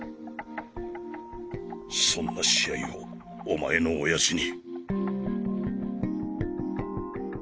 そんな試合をお前の親父に。